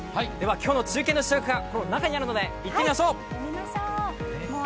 今日の中継の主役が中にあるので行ってみましょう。